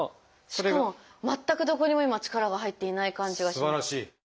しかも全くどこにも今力が入っていない感じが。